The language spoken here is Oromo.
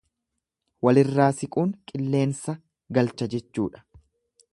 Walirraa siquun qilleensa galcha jechuudha.